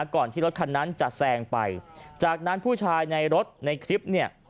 ก่อนที่รถคันนั้นจะแซงไปจากนั้นผู้ชายในรถในคลิปเนี่ย